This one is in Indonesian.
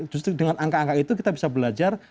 justru dengan angka angka itu kita bisa belajar